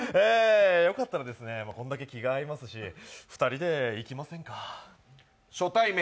よかったらですね、こんだけ気が合いますし、２人で行きませんか？